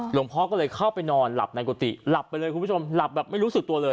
หลวงพ่อก็เลยเข้าไปนอนหลับในกุฏิหลับไปเลยคุณผู้ชมหลับแบบไม่รู้สึกตัวเลย